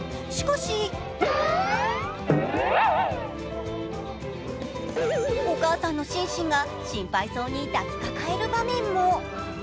しかし、お母さんのシンシンが心配そうに抱きかかえる場面も。